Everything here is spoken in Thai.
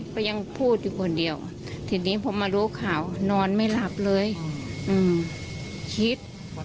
ก็ยังพูดอยู่คนเดียวทีนี้พอมารู้ข่าวนอนไม่หลับเลยคิด